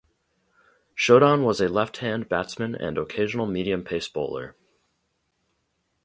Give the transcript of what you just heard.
Shodhan was a left hand batsman and occasional medium pace bowler.